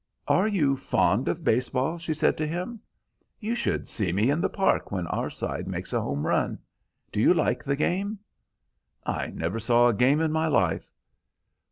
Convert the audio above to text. "Are you fond of base ball?" she said to him. "You should see me in the park when our side makes a home run. Do you like the game?" "I never saw a game in my life."